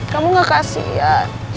kamu gak kasihan